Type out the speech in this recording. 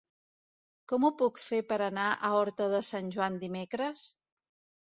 Com ho puc fer per anar a Horta de Sant Joan dimecres?